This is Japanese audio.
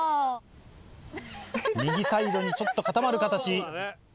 右サイドにちょっと固まる形。